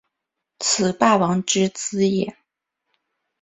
此霸王之资也。